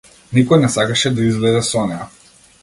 Никој не сакаше да излезе со неа.